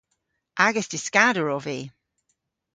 Agas dyskader ov vy.